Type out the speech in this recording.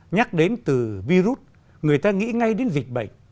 nhắc đến từ virus người ta nghĩ ngay đến dịch bệnh